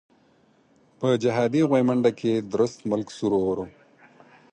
په جهادي غويمنډه کې درست ملک سور اور وو.